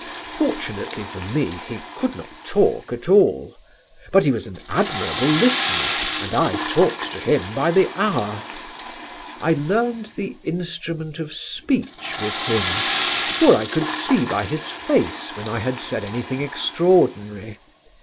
Fortunately for me he could not talk at all; but he was an admirable listener, and I talked to him by the hour. I learned the instrument of speech with him, for I could see by his face when I had said anything extraordinary.